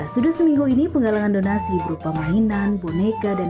selesai ya teman teman